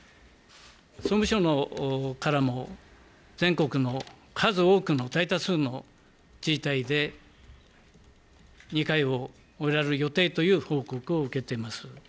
総務省からも全国の数多くの大多数の自治体で、２回を終えられる予定という報告を受けています。